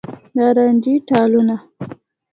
نارنجې ټالونه